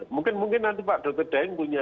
mungkin mungkin nanti pak dr daeng punya